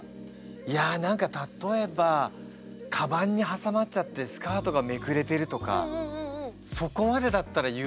いや何か例えばかばんに挟まっちゃってスカートがめくれてるとかそこまでだったら言うかもしれないけど。